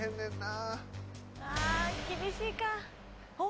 あ厳しいか。